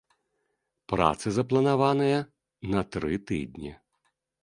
Працы запланаваныя на тры тыдні.